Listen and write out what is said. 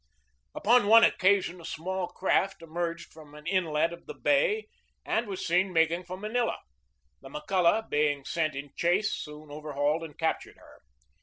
Upon one occasion a small craft emerged from an inlet of the bay and was seen making for Manila. The McCulloch, being sent in chase, soon overhauled and captured her.